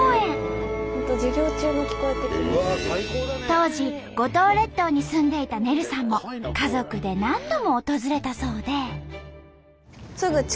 当時五島列島に住んでいたねるさんも家族で何度も訪れたそうで。